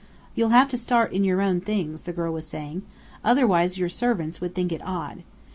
"You'll have to start in your own things," the girl was saying, "otherwise your servants would think it odd.